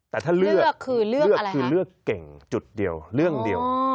แต่ถ้าเลือกเลือกคือเลือกเก่งจุดเดียวเรื่องเดียว